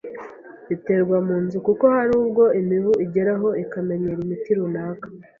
iterwa mu nzu kuko hari ubwo imibu igeraho ikamenyera imiti runaka